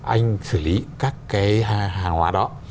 anh xử lý các cái hàng hóa đó